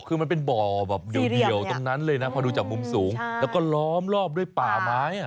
คือมันเป็นบ่อแบบเดี่ยวตรงนั้นเลยนะพอดูจากมุมสูงแล้วก็ล้อมรอบด้วยป่าไม้